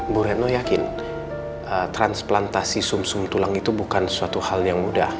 bu retno yakin transplantasi sum sum tulang itu bukan suatu hal yang mudah